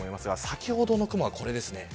先ほどの雲がこれです。